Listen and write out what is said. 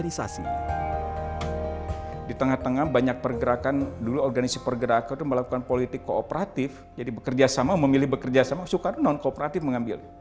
di tengah tengah banyak pergerakan dulu organisasi pergerakan itu melakukan politik kooperatif jadi bekerja sama memilih bekerja sama soekarno non kooperatif mengambil